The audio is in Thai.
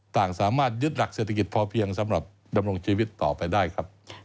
สามารถยึดหลักเศรษฐกิจพอเพียงสำหรับดำรงชีวิตต่อไปได้ครับ